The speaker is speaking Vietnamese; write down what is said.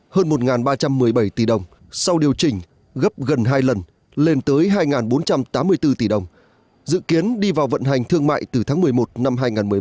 hơn một ba trăm một mươi bảy tỷ đồng sau điều chỉnh gấp gần hai lần lên tới hai bốn trăm tám mươi bốn tỷ đồng dự kiến đi vào vận hành thương mại từ tháng một mươi một năm hai nghìn một mươi bảy